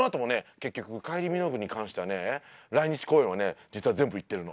結局カイリー・ミノーグに関してはね来日公演はね実は全部行ってるの。